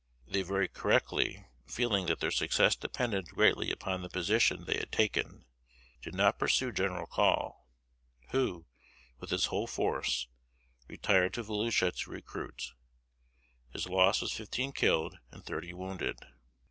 They very correctly, feeling that their success depended greatly upon the position they had taken, did not pursue General Call, who, with his whole force, retired to Volusi to recruit. His loss was fifteen killed and thirty wounded.